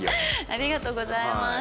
ありがとうございます。